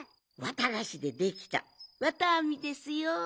わたがしでできたわたアミですよ。